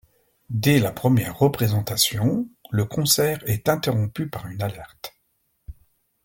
Dès la première représentation, le concert est interrompu par une alerte.